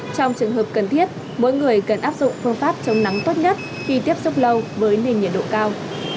trong trường hợp cần thiết mỗi người cần áp dụng phương pháp chống nắng tốt nhất khi tiếp xúc lâu với nền nhiệt độ cao